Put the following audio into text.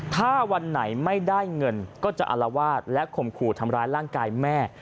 ถ้าวันไหนไม่ได้เงินก็จะอารวาสและข่มขู่ทำร้ายร่างกายแม่